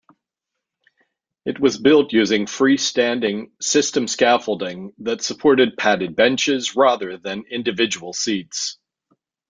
It was built using free-standing system-scaffolding that supported padded benches rather than individual seats.